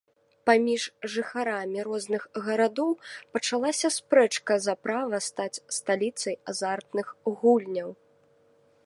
Паміж жыхарамі розных гарадоў пачалася спрэчка за права стаць сталіцай азартных гульняў.